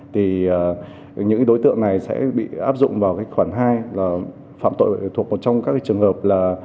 thì những đối tượng này sẽ bị áp dụng vào khoảng hai phạm tội thuộc một trong các trường hợp